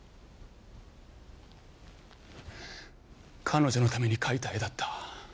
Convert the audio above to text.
彼女のために描いた絵だった。